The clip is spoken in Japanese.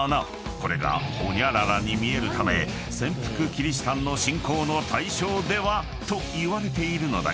［これがホニャララに見えるため潜伏キリシタンの信仰の対象では？といわれているのだが］